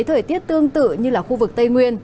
thời tiết tương tự như là khu vực tây nguyên